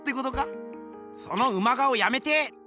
そのウマ顔やめて！